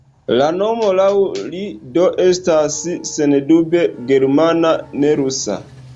La nomo laŭ li do estas sendube germana, ne rusa.